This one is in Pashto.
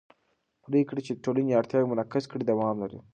پرېکړې چې د ټولنې اړتیاوې منعکس کړي دوام لري